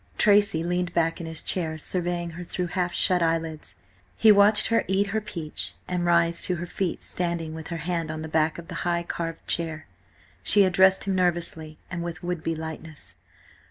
Tracy leaned back in his chair, surveying her through half shut eyelids. He watched her eat her peach and rise to her feet standing with her hand on the back of the high, carved chair. She addressed him nervously and with would be lightness.